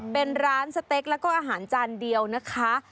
เป็นร้านสเต็กแล้วก็อาหารจานเดียวนะคะ